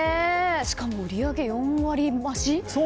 しかも売り上げ４割増し？